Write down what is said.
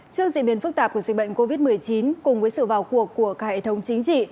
trước diễn biến phức tạp của dịch bệnh covid một mươi chín cùng với sự vào cuộc của cả hệ thống chính trị